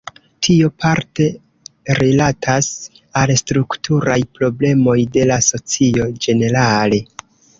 Tio parte rilatas al strukturaj problemoj de la socio ĝenerale.